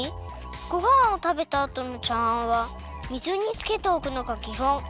「ごはんをたべたあとの茶わんは水につけておくのがきほん。